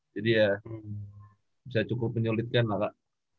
jadi ya bisa cukup menyulitkan lah kak